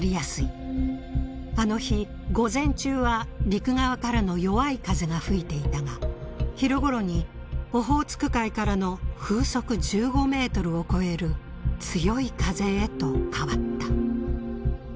あの日午前中は陸側からの弱い風が吹いていたが昼ごろにオホーツク海からの風速１５メートルを超える強い風へと変わった。